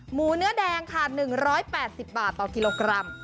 หมูเนื้อแดงค่ะ๑๘๐บาทต่อกิโลกรัม